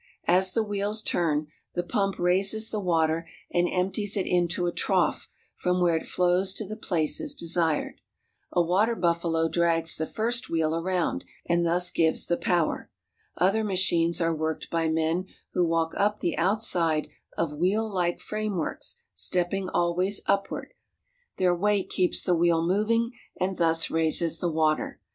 As the wheels turn, the pump raises the water and empties it into a trough from where it flows to the places desired. A water buffalo drags the first wheel around, and thus gives the power. Other machines are worked by men who walk up the outside of wheel like frameworks, stepping always upward. Their weight keeps the wheel moving, and thus raises the water.